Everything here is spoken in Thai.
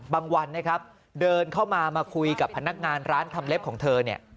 วันนะครับเดินเข้ามามาคุยกับพนักงานร้านทำเล็บของเธอเนี่ย